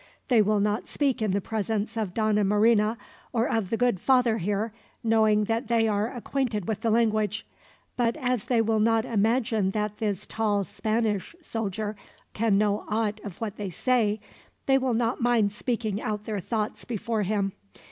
They will not speak in the presence of Donna Marina or of the good Father here, knowing that they are acquainted with the language; but as they will not imagine that this tall Spanish soldier can know aught of what they say, they will not mind speaking out their thoughts before him.